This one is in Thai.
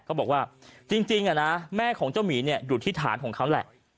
เขาบอกว่าจริงนะแม่ของเจ้าหมีอยู่ที่ฐานของเขาแหละ